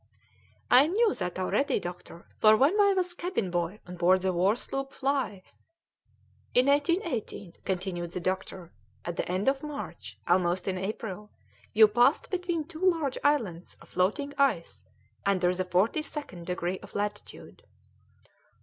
"I knew that already, doctor, for when I was cabinboy on board the war sloop Fly " "In 1818," continued the doctor, "at the end of March, almost in April, you passed between two large islands of floating ice under the forty second degree of latitude."